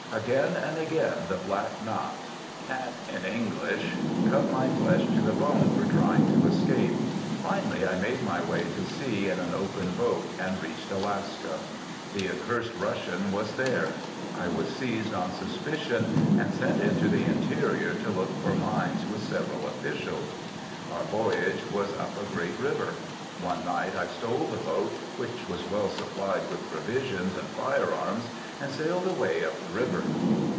Again and again the black knout (cat in English) cut my flesh to the bone for trying to escape. Finally I made my way to sea in an open boat and reached Alaska. The accursed Russian was there. I was seized on suspicion and sent into the interior to look for mines with several officials. Our voyage was up a great river. One night I stole the boat, which was well supplied with provisions and firearms, and sailed away up the river.